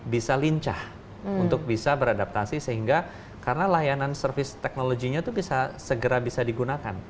bisa lincah untuk bisa beradaptasi sehingga karena layanan service teknologinya itu bisa segera bisa digunakan